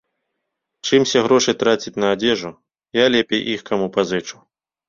Чымся грошы траціць на адзежу, я лепей іх каму пазычу.